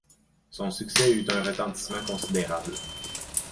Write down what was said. Son succès eut un retentissement considérable.